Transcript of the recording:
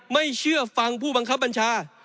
ไม่เชื่อฟังผู้บังคับบัญชา